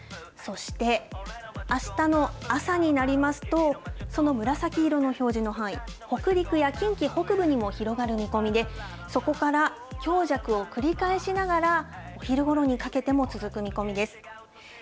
そして、あしたの朝になりますと、その紫色の表示の範囲、北陸や近畿北部にも広がる見込みで、そこから強弱を繰り返しながら、昼ごろにかけても続く見込みです。